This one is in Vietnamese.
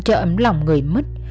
cho ấm lòng người mất